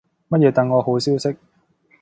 乜嘢等我好消息